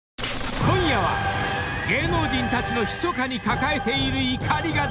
［今夜は芸能人たちのひそかに抱えている］